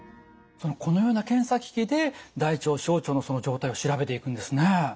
そのこのような検査機器で大腸小腸のその状態を調べていくんですね。